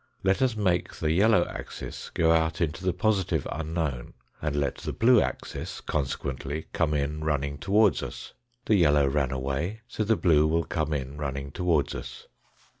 Let us make the yellow axis go out into the positive unknown, and let the blue axis, consequently, come in running towards us. The yellow ran away, so the blue will come in running towards us.